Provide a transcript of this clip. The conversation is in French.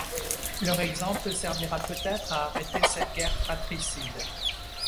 Leur exemple servira peut-être à arrêter cette guerre fratricide.